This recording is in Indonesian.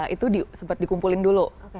itu sempat dikumpulin dulu